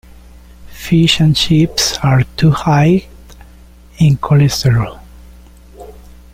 Fish and chips are too high in cholesterol.